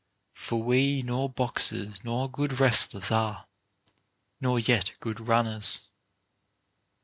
For we nor boxers nor good wrestlers are, Nor yet good runners.